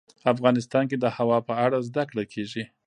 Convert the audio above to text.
افغانستان کې د هوا په اړه زده کړه کېږي.